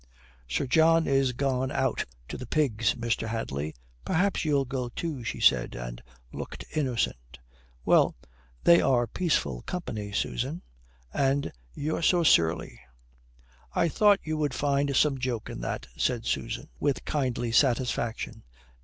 "Sir John is gone out to the pigs, Mr. Hadley. Perhaps you'll go too," she said, and looked innocent. "Well, they are peaceful company, Susan. And you're so surly." "I thought you would find some joke in that," said Susan, with kindly satisfaction.